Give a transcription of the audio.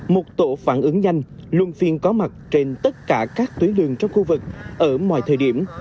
một tổ phản ứng nhanh luân phiên có mặt trên tất cả các tuyến đường trong khu vực ở mọi thời điểm